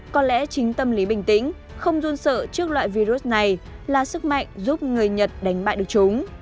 có lẽ chính tâm lý bình tĩnh không run sợ trước loại virus này là sức mạnh giúp người nhật đánh bại được chúng